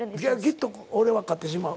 きっと俺は勝ってしまう。